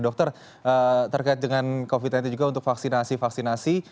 dokter terkait dengan covid sembilan belas juga untuk vaksinasi vaksinasi